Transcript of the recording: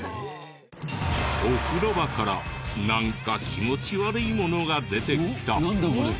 お風呂場からなんか気持ち悪いものが出てきた。